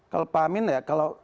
kalau pak amin ya